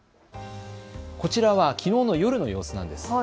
こちらはきのうの夜の様子なんです。